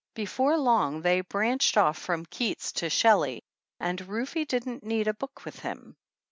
Before long they branched off from Keats to Shelley, and Rufe didn't need a book with him.